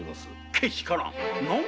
けしからん！